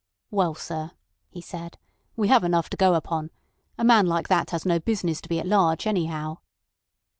"Well, sir," he said, "we have enough to go upon. A man like that has no business to be at large, anyhow."